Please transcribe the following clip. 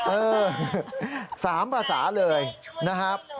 เออ๓ภาษาเลยนะครับ